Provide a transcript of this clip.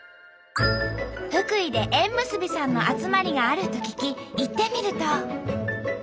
福井で縁結びさんの集まりがあると聞き行ってみると。